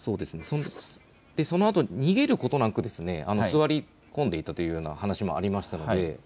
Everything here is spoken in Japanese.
そのあと逃げることなく座り込んでいたというような話もありましたので。